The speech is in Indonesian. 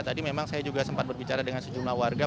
tadi memang saya juga sempat berbicara dengan sejumlah warga